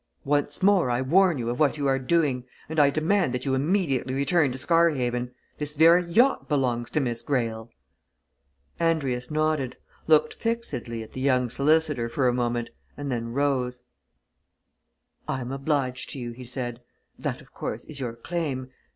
Once more I warn you of what you are doing, and I demand that you immediately return to Scarhaven. This very yacht belongs to Miss Greyle!" Andrius nodded, looked fixedly at the young solicitor for a moment, and then rose. "I am obliged to you," he said. "That, of course, is your claim.